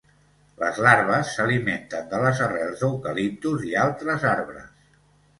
Les larves s'alimenten de les arrels d'eucaliptus i altres arbres.